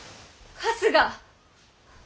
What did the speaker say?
春日